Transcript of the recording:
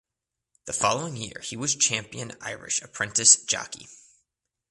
The following year he was champion Irish apprentice jockey.